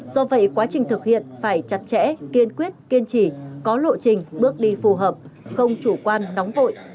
do vậy quá trình thực hiện phải chặt chẽ kiên quyết kiên trì có lộ trình bước đi phù hợp không chủ quan nóng vội